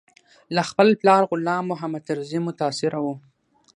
له خپل پلار غلام محمد طرزي متاثره و.